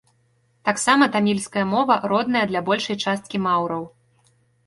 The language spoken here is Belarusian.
Таксама тамільская мова родная для большай часткі маўраў.